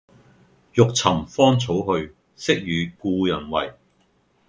欲尋芳草去，惜與故人違。